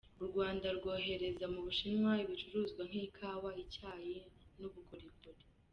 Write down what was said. U Rwanda rwohereza mu Bushinwa ibicuruzwa nk’ikawa, icyayi n’ubukorikori.